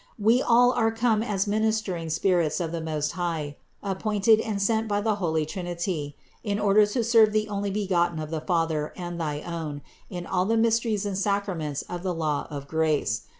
We all are come as ministering spirits of the Most High, appointed and sent by the holy Trinity in order to serve the Onlybegotten of the Father and thy own in all the mysteries and sacraments of the law of grace.